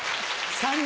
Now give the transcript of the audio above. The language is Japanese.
３人。